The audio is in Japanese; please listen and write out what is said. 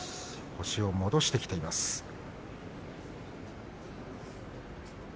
星を戻してきています水戸龍。